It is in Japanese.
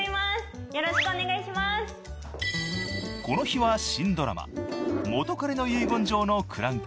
［この日は］